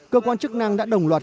cơ quan chức năng đã đồng loạt